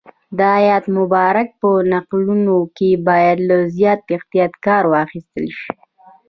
د آیت مبارک په نقلولو کې باید له زیات احتیاط کار واخیستل شي.